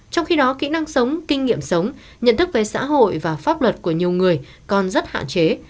trong khi đó kỹ năng sống kinh nghiệm sống nhận thức về xã hội và pháp luật của nhiều người còn rất hạn chế